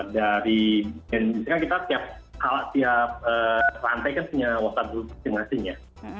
dari misalnya kita tiap rantai kan punya waktar berpengasihnya